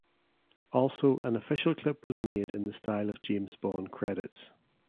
Also an official clip was made in the style of James Bond credits.